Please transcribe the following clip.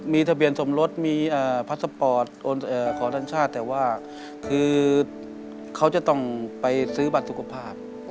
มีทะเบียนสมรสมีพัสสปอร์ตขอสัญชาติแต่ว่าคือเขาจะต้องไปซื้อบัตรสุขภาพ